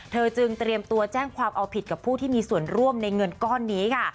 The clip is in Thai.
จึงเตรียมตัวแจ้งความเอาผิดกับผู้ที่มีส่วนร่วมในเงินก้อนนี้ค่ะ